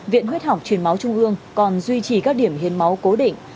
viện huyết học truyền máu trung ương còn duy trì các điểm hiến máu cố định